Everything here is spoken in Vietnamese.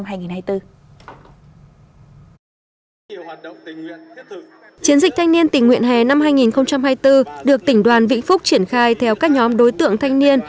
chiến dịch thanh niên tình nguyện hè năm hai nghìn hai mươi bốn được tỉnh đoàn vĩnh phúc triển khai theo các nhóm đối tượng thanh niên